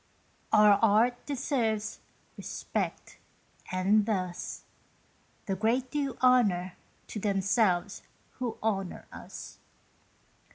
Our art deserves respect, and thus The great do honour to themselves who honour us.